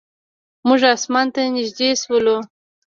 موږ اسمان ته نږدې شولو.